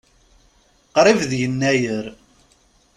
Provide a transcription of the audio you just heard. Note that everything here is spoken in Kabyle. Qrib d Yennayer.